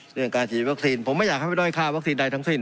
เรื่องการฉีดวัคซีนผมไม่อยากให้ไปด้อยค่าวัคซีนใดทั้งสิ้น